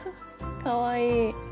かわいい。